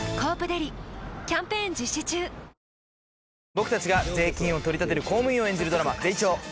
僕たちが税金を取り立てる公務員を演じるドラマ『ゼイチョー』。